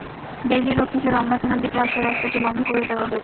Bailey road থেকে রমনা থানার দিকে আসার রাস্তাটি বন্ধ করে দেওয়া হয়েছে।